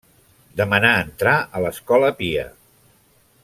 Demanà entrar a l'Escola Pia.